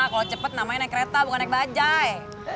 kalau cepet namanya naik kereta bukan naik bajai